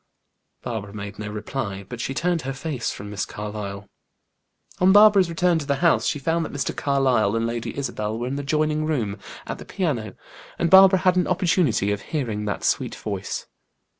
Barbara made no reply, but she turned her face from Miss Carlyle. On Barbara's return to the house, she found that Mr. Carlyle and Lady Isabel were in the adjoining room, at the piano, and Barbara had an opportunity of hearing that sweet voice.